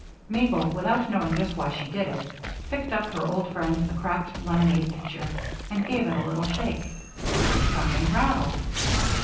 Mabel, without knowing just why she did it, picked up her old friend, the cracked lemonade pitcher and gave it a little shake. Something rattled.